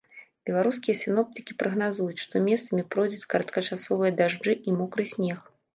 Беларускія сіноптыкі прагназуюць, што месцамі пройдуць кароткачасовыя дажджы і мокры снег.